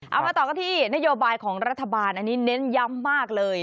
เอามาต่อกันที่นโยบายของรัฐบาลอันนี้เน้นย้ำมากเลย